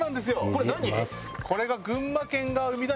これ何？